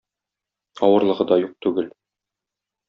Авырлыгы да юк түгел.